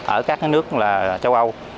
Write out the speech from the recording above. ở các nước châu âu